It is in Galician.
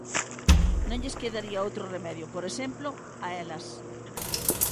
Non lles quedaría outro remedio, por exemplo, a elas.